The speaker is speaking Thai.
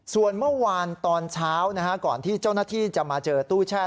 ส่วนเมื่อวานตอนเช้าก่อนที่เจ้าหน้าที่จะมาเจอตู้แช่